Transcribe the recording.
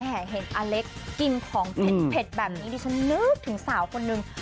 เห็นอเล็กกินของเผ็ดแบบนี้ดิฉันนึกถึงสาวคนนึง